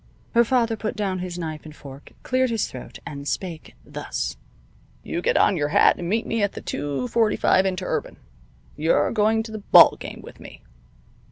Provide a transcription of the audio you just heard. Her father put down his knife and fork, cleared his throat, and spake, thus: "You get on your hat and meet me at the 2:45 inter urban. You're going to the ball game with me."